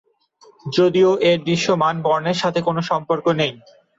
যদিও এর দৃশ্যমান বর্ণের সাথে কোনো সম্পর্ক নেই।